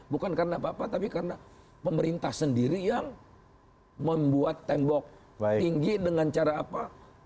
bukan karena apa apa tapi karena pemerintah sendiri yang membuat tembok tinggi dengan cara apa